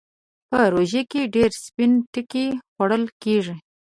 په روژه کې ډېر سپين ټکی خوړل کېږي.